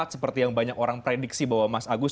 seperti yang banyak orang prediksi bahwa mas agus